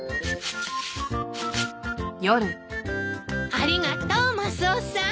ありがとうマスオさん。